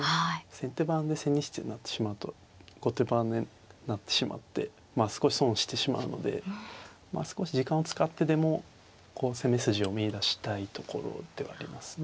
先手番で千日手になってしまうと後手番になってしまって少し損をしてしまうのでまあ少し時間を使ってでも攻め筋を見いだしたいところではありますね。